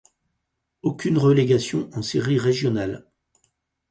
Aucune relégation en séries régionales.